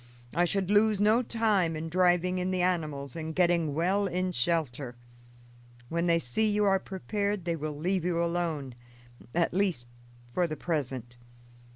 I should lose no time in driving in the animals and getting well in shelter. When they see you are prepared they will leave you alone; at least, for the present.